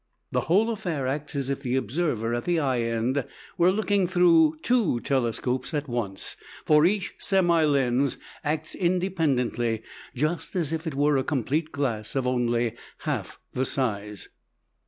The whole affair acts as if the observer at the eye end were looking through two telescopes at once. For each semi lens acts independently, just as if it were a complete glass of only half the size.